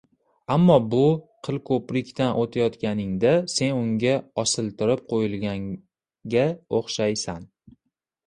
ammo bu “qilko‘prik”dan o‘tayotganingda sen unga osiltirib qo‘yilganga o‘xshaysan